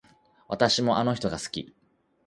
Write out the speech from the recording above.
私もあの人が好き